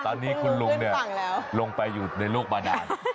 ตอนนี้คุณลุงเนี่ยลงไปอยู่ในโลกมานาน